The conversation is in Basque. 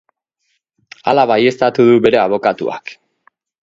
Hala baieztatu du bere abokatuak.